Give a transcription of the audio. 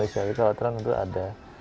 kekhawatiran tentu ada